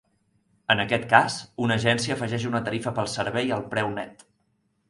En aquest cas, una agència afegeix una tarifa pel servei al preu net.